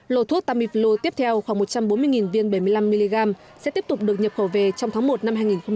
lô thuốc tamiflu tiếp theo khoảng một trăm bốn mươi viên bảy mươi năm mg sẽ tiếp tục được nhập khẩu về trong tháng một năm hai nghìn hai mươi